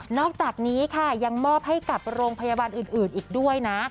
อกจากนี้ค่ะยังมอบให้กับโรงพยาบาลอื่นอีกด้วยนะ